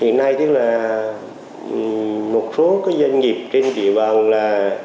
hiện nay thì là một số doanh nghiệp trên địa bàn là